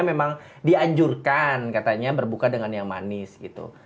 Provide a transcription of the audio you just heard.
memang dianjurkan katanya berbuka dengan yang manis gitu